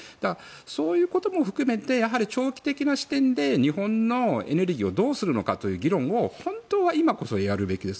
そういうことも含めて長期的な視点で日本のエネルギーをどうするのかという議論を本当は今こそやるべきで